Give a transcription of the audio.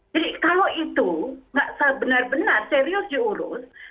jadi kalau itu benar benar serius diurus